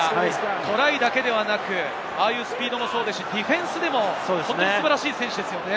トライだけではなく、ああいうスピードもディフェンスでも本当に素晴らしい選手ですよね。